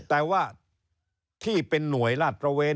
แต่ว่าที่เป็นหน่วยลาดตระเวน